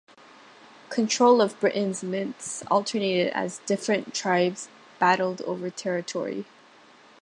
Control of Britain's mints alternated as different tribes battled over territory.